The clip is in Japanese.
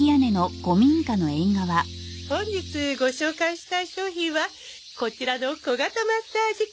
本日ご紹介したい商品はこちらの小型マッサージ機！